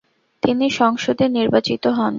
তিনি সংসদে নির্বাচিত হন।